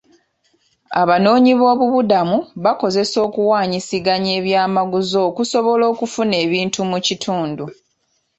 Abanoonyiboobubudamu bakozesa okuwaanyisiganya ebyamaguzi okusobola okufuna ebintu mu kitundu.